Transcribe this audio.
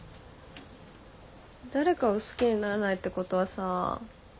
誰かを好きにならないってことはさ